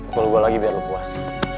kalo gue lagi biar lu puas